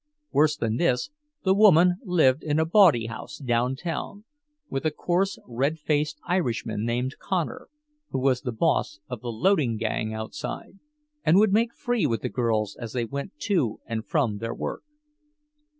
Worse than this, the woman lived in a bawdy house downtown, with a coarse, red faced Irishman named Connor, who was the boss of the loading gang outside, and would make free with the girls as they went to and from their work.